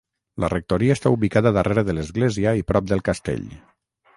La rectoria està ubicada darrere de l'església i prop del castell.